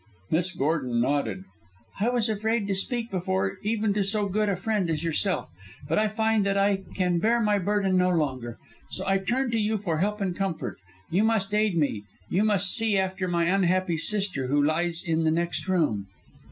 Miss Gordon nodded. "I was afraid to speak before, even to so good a friend as yourself. But I find that I can bear my burden no longer; so I turn to you for help and comfort. You must aid me, you must see after my unhappy sister who lies in the next room."